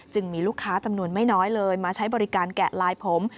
มีลูกค้าจำนวนไม่น้อยเลยมาใช้บริการแกะลายผม